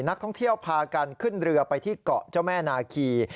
นักท่องเที่ยวพากันขึ้นเรือไปที่เกาะเจ้าแม่นาคี